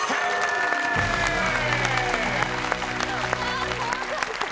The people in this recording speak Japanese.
あ怖かった。